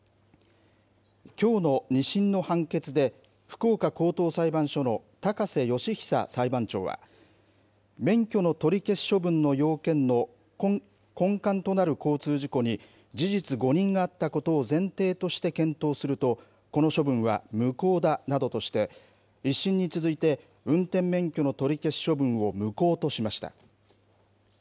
きょうの２審の判決で、福岡高等裁判所の高瀬順久裁判長は、免許の取り消し処分の要件の根幹となる交通事故に事実誤認があったことを前提として検討すると、この処分は無効だなどとして、１審に続いて、運転免許の取り消し処分を無効としました。